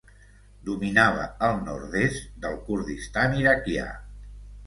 Dominava el nord-est del Kurdistan iraquià.